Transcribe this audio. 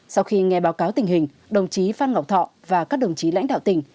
sau khi nghe báo cáo tình hình đồng chí phan ngọc thọ và các đồng chí lãnh đạo tỉnh